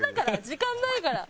時間ないから。